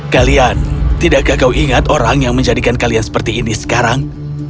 kalian tidakkah kau ingat orang yang menjadikan kalian seperti ini sekarang